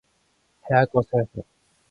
해야 할 것을 하라.